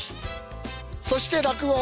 そして落語。